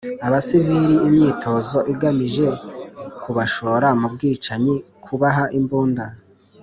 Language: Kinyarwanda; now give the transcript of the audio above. Abasivili imyitozo igamije kubashora mu bwicanyi kubaha imbunda